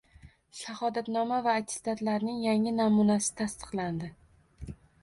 Shahodatnoma va attestatlarning yangi namunasi tasdiqlandi